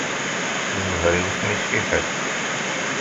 Ẓẓher-iw isem-is fiḥel.